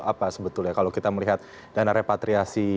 apa sebetulnya kalau kita melihat dana repatriasi